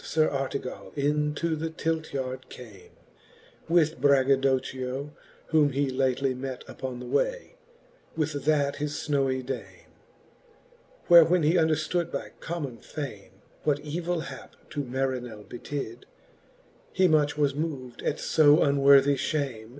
Sir Artega// into the Tilt yard came, With BraggadocchiOj whom he lately met Upon the way, with that his fnowy dame. Where when he underftood by common fame, What evill hap to Marinell betid, He much was mov'd at lb unworthie fhame.